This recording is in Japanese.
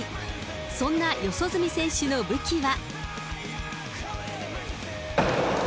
そんな四十住選手の武器は。